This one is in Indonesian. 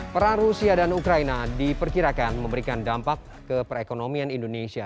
perang rusia dan ukraina diperkirakan memberikan dampak ke perekonomian indonesia